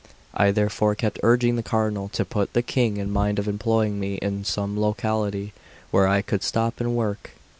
I therefore kept urging the Cardinal to put the King in mind of employing me in some locality where I could stop and work.